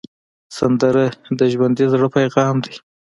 سندره د ژوندي زړه پیغام دی